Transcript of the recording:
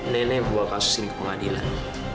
nenek buah kasus ini ke pengadilan